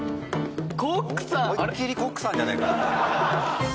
思いっきりコックさんじゃねえか。